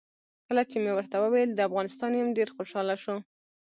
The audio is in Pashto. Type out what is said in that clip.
کله چې مې ورته وویل د افغانستان یم ډېر خوشاله شو.